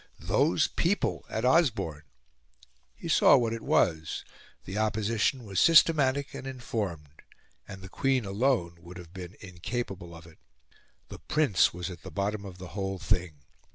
those people at Osborne. He saw what it was; the opposition was systematic and informed, and the Queen alone would have been incapable of it; the Prince was at the bottom of the whole thing.